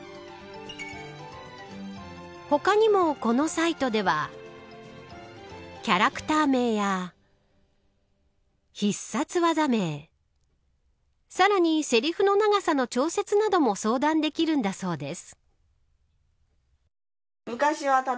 他にもこのサイトではキャラクター名や必殺技名さらに、セリフの長さの調節なども相談できるんだそうです。